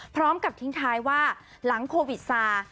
พร้อมกับทิ้งท้ายว่าหลังโควิดซา